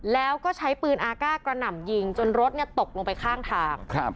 แล้วก็ใช้ปืนอากาศกระหน่ำยิงจนรถตกลงไปข้างทาง